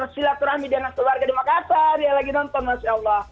kita bersilaturahmi di anak keluarga di makassar ya lagi nonton masya allah